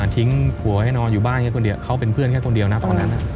ทิ้งผัวให้นอนอยู่บ้านแค่คนเดียวเขาเป็นเพื่อนแค่คนเดียวนะตอนนั้น